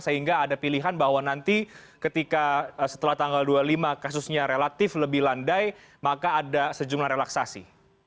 sehingga ada pilihan bahwa nanti ketika setelah tanggal dua puluh lima kasusnya relatif lebih landai maka ada sejumlah relaksasi